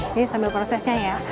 ini sambil prosesnya ya